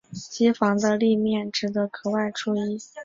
机房的立面值得格外注意。